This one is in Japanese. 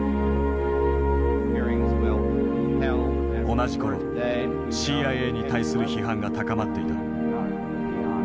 同じ頃ＣＩＡに対する批判が高まっていた。